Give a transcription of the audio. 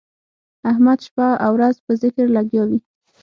احمد شپه او ورځ په ذکر لګیا وي.